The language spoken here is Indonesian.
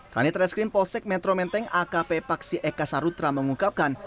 kanit reskrim polsek metro menteng akp paksi eka sarutra mengungkapkan